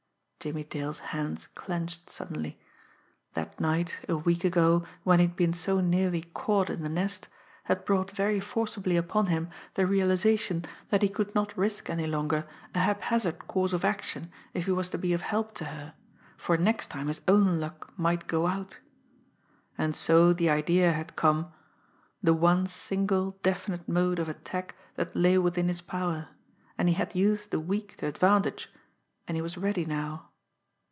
Jimmie Dale's hands clenched suddenly. That night, a week ago, when he had been so nearly caught in the Nest, had brought very forcibly upon him the realisation that he could not risk any longer a haphazard course of action, if he was to be of help to her, for next time his own luck might go out. And so the idea had come the one, single, definite mode of attack that lay within his power and he had used the week to advantage, and he was ready now.